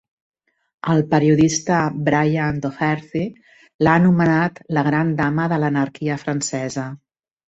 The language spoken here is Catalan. El periodista Brian Doherty l'ha anomenat la gran dama de l'anarquia francesa.